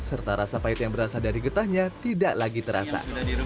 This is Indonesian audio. serta rasa pahit yang berasal dari getahnya tidak lagi terasa